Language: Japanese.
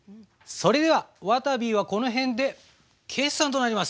それではわたびはこの辺で決算となります。